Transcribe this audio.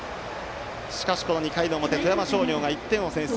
しかし、この２回の表富山商業が１点を先制。